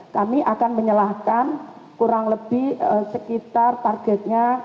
kami akan menyalahkan kurang lebih sekitar targetnya